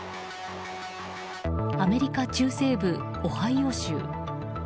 アメリカ中西部オハイオ州。